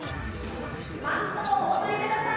マントをお取りください。